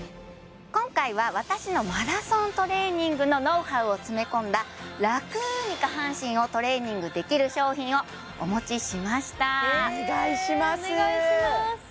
今回は私のマラソントレーニングのノウハウを詰め込んだ楽に下半身をトレーニングできる商品をお持ちしましたお願いしますお願いします